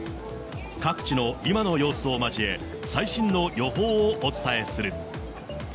各地の今の様子を交え、最新の予報をお伝えする。